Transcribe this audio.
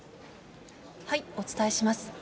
お伝えします。